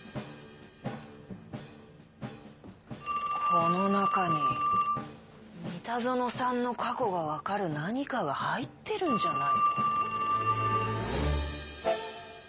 この中に三田園さんの過去がわかる何かが入ってるんじゃないの？